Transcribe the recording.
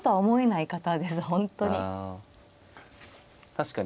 確かに。